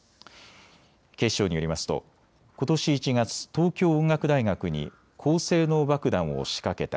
警視庁によりますとことし１月、東京音楽大学に高性能爆弾を仕掛けた。